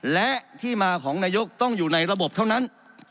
และที่มาของนายกต้องอยู่ในระบบเท่านั้น